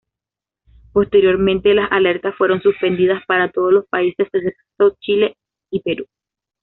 Posteriormente las alertas fueron suspendidas para todos los países excepto Chile y Perú.